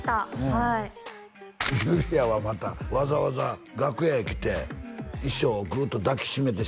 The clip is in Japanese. はいゆりあはまた「わざわざ楽屋へ来て」「衣装をぐっと抱きしめて」